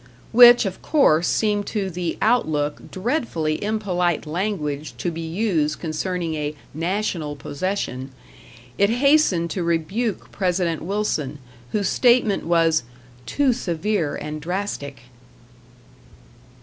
Which, of course, seemed to the "Outlook" dreadfully impolite language to be used concerning a "National possession"; it hastened to rebuke President Wilson, whose statement was "too severe and drastic."